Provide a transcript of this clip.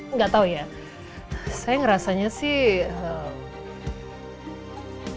enggak tahu ya saya merasakan sih